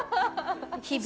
日々。